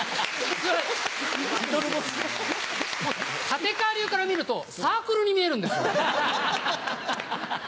立川流から見るとサークルに見えるんですよね。